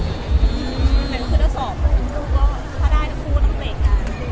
เหมือนคือถ้าสอบถ้าได้ก็พูดอังกฤษอ่ะ